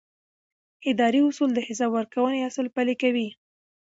اداري اصول د حساب ورکونې اصل پلي کوي.